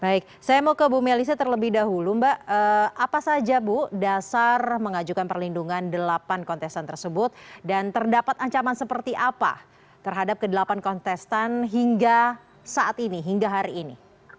baik saya mau ke bu melissa terlebih dahulu mbak apa saja bu dasar mengajukan perlindungan delapan kontestan tersebut dan terdapat ancaman seperti apa terhadap ke delapan kontestan hingga saat ini hingga hari ini